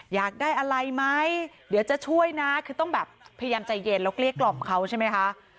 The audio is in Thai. อยากได้อะไรไหมเดี๋ยวจะช่วยนะพยายามใจเย็นน้ำเลี่ยกกล่อมเขาใช่ไหมคะ